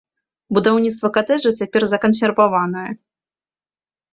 Будаўніцтва катэджа цяпер закансерваванае.